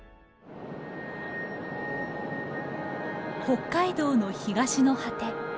北海道の東の果て。